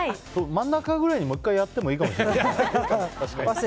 真ん中くらいにもう１回やってもいいかもしれない。